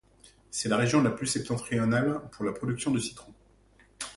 C'est la région la plus septentrionale pour la production de citron.